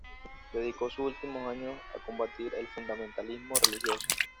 Dedicó sus últimos años a combatir el fundamentalismo religioso.